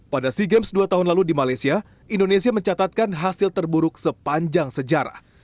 pada sea games dua tahun lalu di malaysia indonesia mencatatkan hasil terburuk sepanjang sejarah